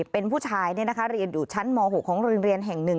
เป็นผู้ชายเรียนอยู่ชั้นม๖ของโรงเรียนแห่งหนึ่ง